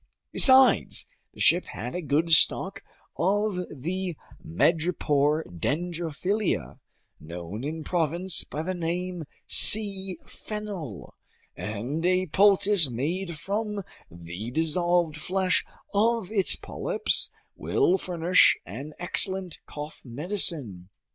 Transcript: Besides, the ship had a good stock of the madrepore Dendrophylia, known in Provence by the name sea fennel, and a poultice made from the dissolved flesh of its polyps will furnish an excellent cough medicine.